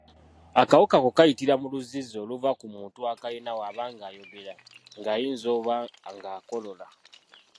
Akawuka ako kayitira mu luzzizzi oluva ku muntu akalina bw’aba ng’ayogera, ng’anyiza oba ng’akolola.